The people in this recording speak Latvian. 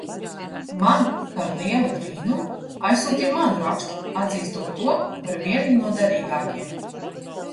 Man par lielu brīnumu – aizsūtīja manu rakstu, atzīstot to par vienu no derīgākiem.